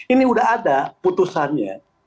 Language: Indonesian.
ini udah ada putusannya